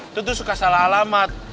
itu tuh suka salah alamat